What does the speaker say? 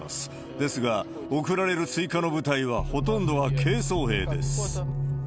ですが、送られる追加の部隊はほとんどは軽装兵です。